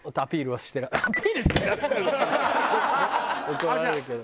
怒られるけど。